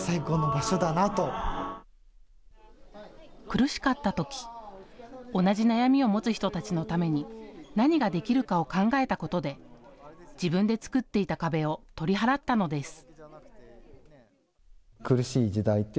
苦しかったとき同じ悩みを持つ人たちのために何ができるかを考えたことで自分で作っていた壁を取り払ったのです。